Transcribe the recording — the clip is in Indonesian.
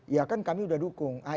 ya kan kami sudah dukung